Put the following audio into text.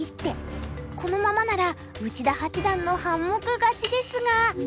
このままなら内田八段の半目勝ちですが。